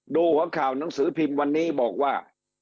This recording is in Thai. หัวข่าวหนังสือพิมพ์วันนี้บอกว่า